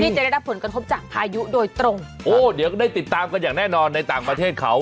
จะได้รับผลกระทบจากพายุโดยตรงโอ้เดี๋ยวก็ได้ติดตามกันอย่างแน่นอนในต่างประเทศเขา